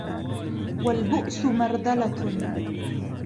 وَالْبُؤْسُ مَرْذَلَةٌ